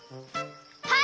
はい！